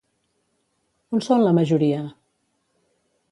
On són la majoria?